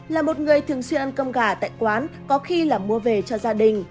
là một người thường xuyên ăn cơm gà tại quán có khi là mua về cho gia đình